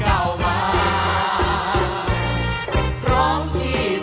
เพื่อพลังสะท้าของคนลูกทุก